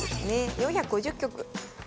４５０局。